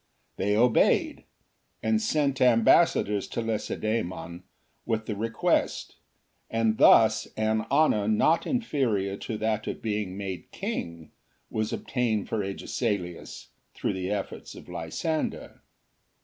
1 They obeyed, and sent ambassadors to Lacedaemon with the request, and thus an honour not inferior to that of being made king was obtained for Agesilaiis through the efforts of Lysander.